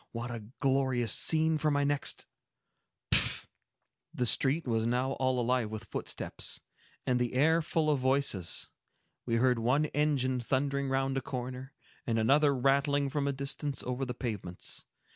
What a glorious scene for my next—Pshaw!" The street was now all alive with footsteps, and the air full of voices. We heard one engine thundering round a corner, and another rattling from a distance over the pavements.